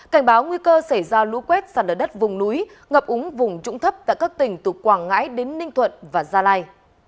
cảnh báo nguy cơ xảy ra lũ quét sạt ở đất vùng núi ngập úng vùng trũng thấp tại các tỉnh từ quảng ngãi đến ninh thuận và gia lai